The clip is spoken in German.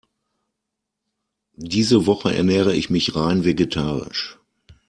Diese Woche ernähre ich mich rein vegetarisch.